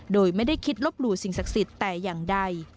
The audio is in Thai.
โดยไม่ได้คิดลบหลู่สิ่งศักดิ์สิทธิ์แต่อย่างใด